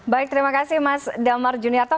baik terima kasih mas damar juniarto